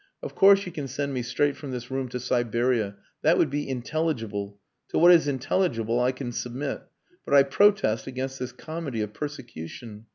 Of course you can send me straight from this room to Siberia. That would be intelligible. To what is intelligible I can submit. But I protest against this comedy of persecution.